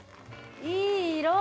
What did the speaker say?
いい色！